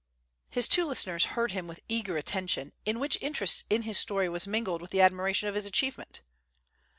His two listeners heard him with eager attention, in which interest in his story was mingled with admiration of his achievement.